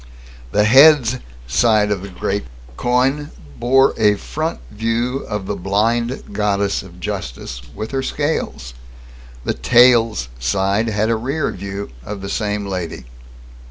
The "Heads" side of the great coin bore a front view of the blind goddess of justice, with her scales. The "Tails" side had a rear view of the same lady.